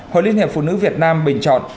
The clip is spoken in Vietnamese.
hội liên hiệp phụ nữ việt nam bình chọn